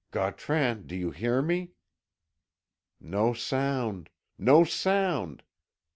Gautran, do you hear me? No sound no sound!